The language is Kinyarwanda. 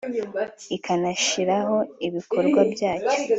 ikanashyiraho ibikorwa byacyo